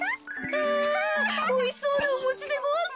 あおいしそうなおもちでごわす。